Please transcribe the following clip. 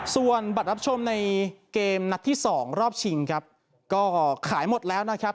ส่วนบัตรรับชมในเกมนัดที่สองรอบชิงครับก็ขายหมดแล้วนะครับ